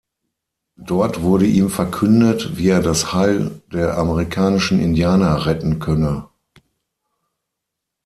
Dort wurde ihm verkündet, wie er das Heil der amerikanischen Indianer retten könne.